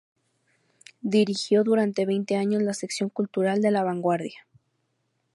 Dirigió durante veinte años la sección cultural de La Vanguardia.